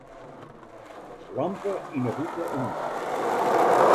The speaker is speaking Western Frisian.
Lampe yn 'e hoeke oan.